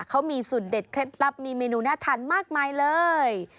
เขามีสูตรเด็ดเคล็ดลับมีเมนูน่าทานมากมายเลย